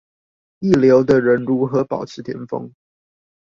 一流的人如何保持顛峰